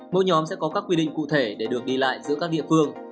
mỗi nhóm sẽ có các quy định cụ thể để được đi lại giữa các địa phương